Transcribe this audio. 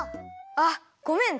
あっごめん！